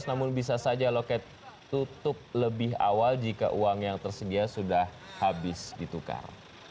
namun bisa saja loket tutup lebih awal jika uang yang tersedia sudah habis ditukar